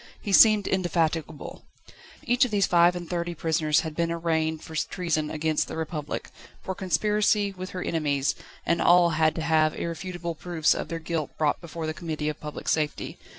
He seemed indefatigable. Each of these five and thirty prisoners had been arraigned for treason against the Republic, for conspiracy with her enemies, and all had to have irrefutable proofs of their guilt brought before the Committee of Public Safety.